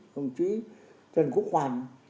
công chí trần quốc hoàn